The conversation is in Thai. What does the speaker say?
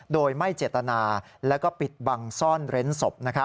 โดยไม่เจตนาและก็ปิดบังซ่อนเร้นศพ